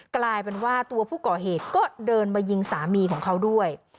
กลายเป็นว่าตัวผู้ก่อเหตุก็เดินมายิงสามีของเขาด้วย